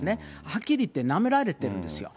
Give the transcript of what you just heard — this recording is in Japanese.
はっきり言ってなめられてるんですよ。